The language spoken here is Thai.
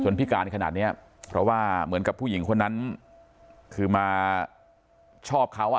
พิการขนาดเนี้ยเพราะว่าเหมือนกับผู้หญิงคนนั้นคือมาชอบเขาอ่ะ